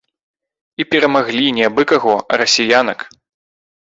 І перамаглі не абы-каго, а расіянак.